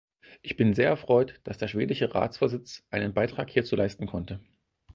Ich bin sehr erfreut, dass der schwedische Ratsvorsitz einen Beitrag hierzu leisten konnte.